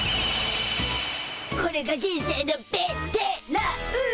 これが人生のベテラン！